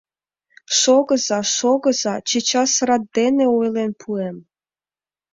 — Шогыза-шогыза, чечас рат дене ойлен пуэм.